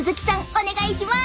お願いします！